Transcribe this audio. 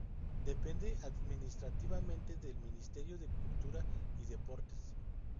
Depende administrativamente del Ministerio de Cultura y Deportes.